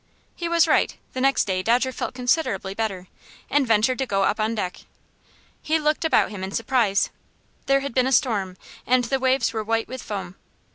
He was right. The next day Dodger felt considerably better, and ventured to go upon deck. He looked about him in surprise. There had been a storm, and the waves were white with foam.